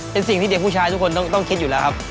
เป็นสิ่งที่เด็กผู้ชายทุกคนต้องคิดอยู่แล้วครับ